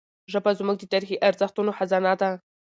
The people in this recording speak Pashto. ژبه زموږ د تاریخي ارزښتونو خزانه ده.